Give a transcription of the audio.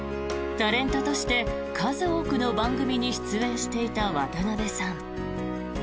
タレントとして数多くの番組に出演していた渡辺さん。